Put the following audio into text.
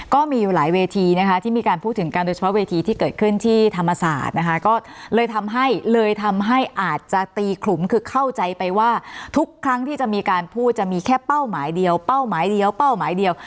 ก็มีอยู่หลายเวทีนะคะที่มีการพูดถึงกันโดยเฉพาะเวทีที่เกิดขึ้นที่ธรรมศาสตร์นะคะก็เลยทำให้เลยทำให้อาจจะตีขลุมคือเข้าใจไปว่าทุกครั้งที่จะมีการพูดจะมีแค่เป้าหมายเดียวเป้าหมายเดียวเป้าหมายเดียว